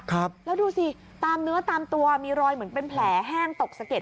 ครับแล้วดูสิตามเนื้อตามตัวมีรอยเหมือนเป็นแผลแห้งตกสะเก็ด